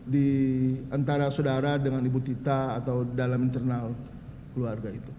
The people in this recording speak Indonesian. di antara saudara dengan ibu tita atau dalam internal keluarga itu